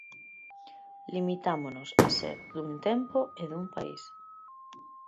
Limitámonos a ser 'dun tempo e dun país'.